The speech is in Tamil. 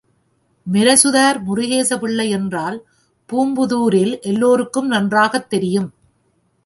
மிராசுதார் முருகேச பிள்ளை என்றால் பூம்புதூரில் எல்லோருக்கும் நன்றாகத் தெரியும்.